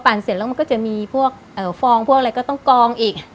เสร็จแล้วมันก็จะมีพวกฟองพวกอะไรก็ต้องกองอีก